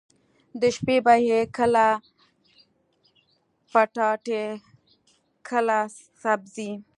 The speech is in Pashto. د شپې به يې کله پټاټې کله سبزي.